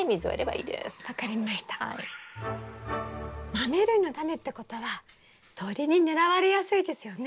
マメ類のタネってことは鳥に狙われやすいですよね。